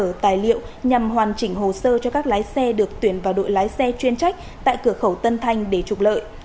giả các giấy tờ tài liệu nhằm hoàn chỉnh hồ sơ cho các lái xe được tuyển vào đội lái xe chuyên trách tại cửa khẩu tân thanh để trục lợi